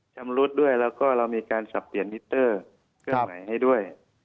ชำรุดด้วยแล้วก็เรามีการสับเปลี่ยนมิเตอร์เครื่องใหม่ให้ด้วย